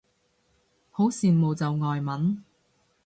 好羨慕就外文